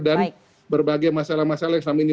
dan berbagai masalah masalah yang selama ini